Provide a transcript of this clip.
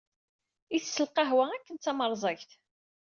Itess lqahwa akken d tamerẓagt.